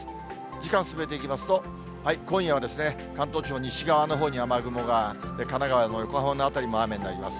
時間進めていきますと、今夜は関東地方、西側のほうに雨雲が、神奈川の横浜の辺りも雨になります。